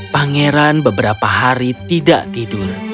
pangeran beberapa hari tidak tidur